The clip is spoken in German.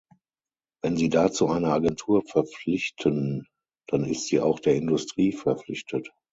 Wenn Sie dazu eine Agentur verpflichten, dann ist sie auch der Industrie verpflichtet.